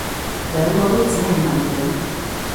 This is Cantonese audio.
兩個都只係文本